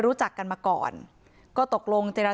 ด้วยเหตุผลอะไรก็แล้วแต่ก็ทำร้ายกันแบบนี้ไม่ได้